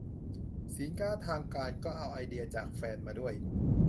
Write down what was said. สินค้าทางการก็เอาไอเดียจากแฟนมาด้วย